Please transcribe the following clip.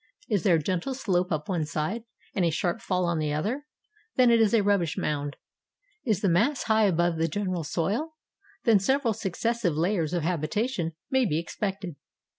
Is there a gentle slope up one side, and a sharp fall on the other? Then it is a rubbish mound. Is the mass high above the general soil? Then several successive layers of habitation may be expected.